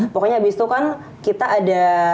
pokoknya abis itu kan kita ada